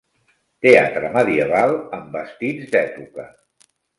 Teatre medieval amb vestits d'època.